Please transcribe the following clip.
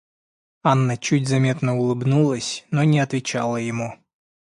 Анна чуть заметно улыбнулась, но не отвечала ему.